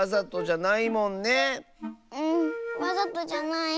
うんわざとじゃない。